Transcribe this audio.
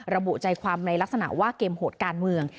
ระบุใจความในลักษณะว่าเกมโหดการเมือง